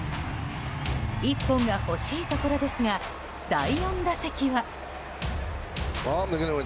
一本が欲しいところですが第４打席は。